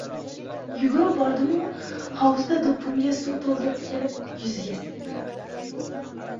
Yugurib bordim-u, hovuzdan do‘ppimga suv to‘ldirib kelib, yuziga sepdim.